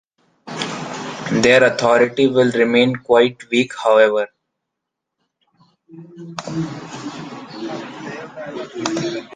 Their authority will remain quite weak however.